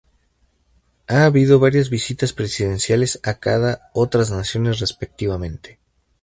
Ha habido varias visitas presidenciales a cada otras naciones respectivamente.